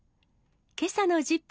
けさのＺＩＰ！